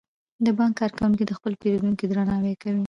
د بانک کارکوونکي د خپلو پیرودونکو درناوی کوي.